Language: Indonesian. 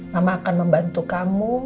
mama akan membantu kamu